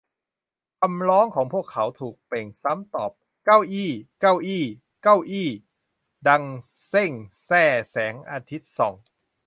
คำร้องของพวกเขาถูกเปล่งซ้ำตอบ "เก้าอี้" "เก้าอี้" "เก้าอี้" ดังเซ็งแซ่ แสงอาทิตย์ส่อง